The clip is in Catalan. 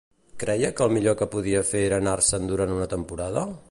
Creia que el millor que podia fer era anar-se'n durant una temporada?